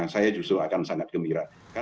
saya justru akan sangat gembira